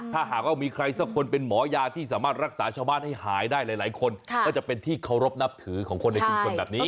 ถ้าหากว่ามีใครสักคนเป็นหมอยาที่สามารถรักษาชาวบ้านให้หายได้หลายคนก็จะเป็นที่เคารพนับถือของคนในชุมชนแบบนี้